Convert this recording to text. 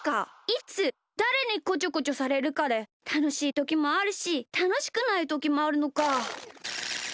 いつだれにこちょこちょされるかでたのしいときもあるしたのしくないときもあるのか。